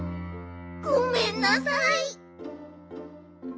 ごめんなさい。